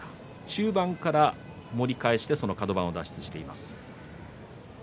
中盤から盛り返してカド番を脱出しています。